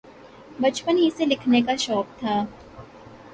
بچپن ہی سے لکھنے کا شوق تھا۔